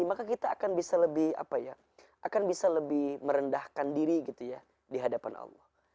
maka kita akan bisa lebih merendahkan diri di hadapan allah